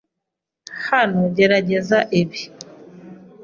Hano, gerageza ibi.